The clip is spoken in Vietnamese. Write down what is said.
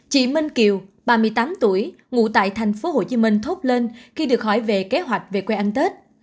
chị minh kiều ba mươi tám tuổi ngụ tại tp hcm thốt lên khi được hỏi về kế hoạch về quê ăn tết